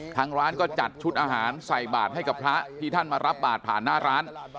ทางร้านก็จัดชุดอาหารใส่บาทให้กับพระที่ท่านมารับบาทผ่านหน้าร้าน